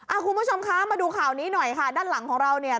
คุณผู้ชมคะมาดูข่าวนี้หน่อยค่ะด้านหลังของเราเนี่ย